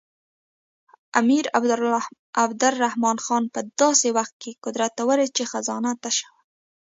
امیر عبدالرحمن خان په داسې وخت کې قدرت ته ورسېد چې خزانه تشه وه.